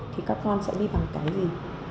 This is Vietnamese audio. thì các con sẽ đi bằng cái gì